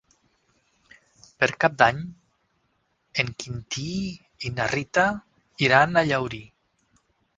Per Cap d'Any en Quintí i na Rita iran a Llaurí.